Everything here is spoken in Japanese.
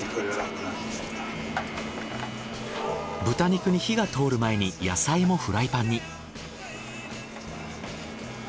豚肉に火が通る前に野菜もフライパンに。